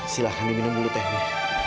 silahkan diminum dulu tehnya